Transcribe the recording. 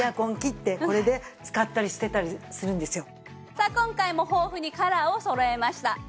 さあ今回も豊富にカラーをそろえました。